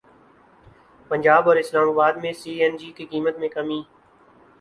پنجاب اور اسلام اباد میں C N G کی قیمت میں کمی